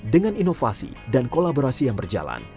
dengan inovasi dan kolaborasi yang berjalan